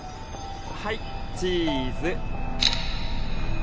はいチーズ。